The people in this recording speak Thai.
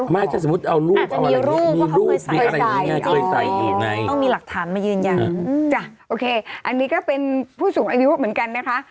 ไม่แต่สมมุติเอารูปอาจจะมีรูปว่าเขาเคยใส่อ๋อต้องมีหลักฐานมายืนยังอืมจ้ะอันนี้ก็เป็นผู้สูงอายุเหมือนกันนะคะ